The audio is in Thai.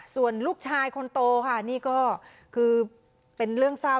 ส่วนลูกชายคนโตค่ะนี่ก็คือเป็นเรื่องเศร้า